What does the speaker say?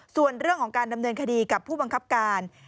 ส่วนเรื่องของการดำเนินคดีกับผู้บังคับการ